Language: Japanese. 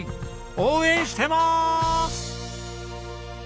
応援してます！